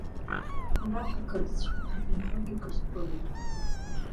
Ҳара ҳақырҭцәоуп, ҳахьынхогьы Қырҭтәылоуп.